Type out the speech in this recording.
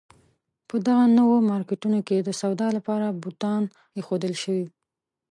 په دغو نویو مارکېټونو کې د سودا لپاره بوتان اېښودل شوي.